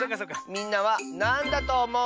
みんなはなんだとおもう？